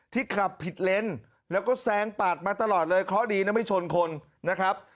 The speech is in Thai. ขับผิดเลนแล้วก็แซงปาดมาตลอดเลยเคราะห์ดีนะไม่ชนคนนะครับ